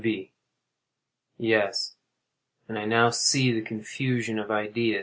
V. Yes; and I now see the confusion of idea.